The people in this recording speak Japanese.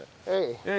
はい。